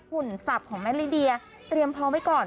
ขุนศัพท์ของแม่ลิดียาเตรียมพร้อมไว้ก่อน